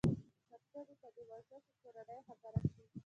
تر څو په دې موضوع يې کورنۍ خبره کړي.